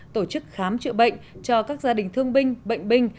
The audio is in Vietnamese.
tổ chức khám chữa bệnh cho các gia đình thương binh bệnh binh